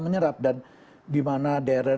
menyerap dan dimana daerah